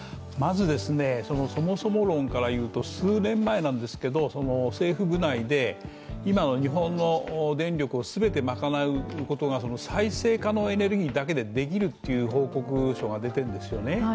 まず、そもそも論からいうと数年前なんですけど政府部内で今の日本国内を全てまかなえる再生可能エネルギーだけでできるという報告書が出ているんですよね。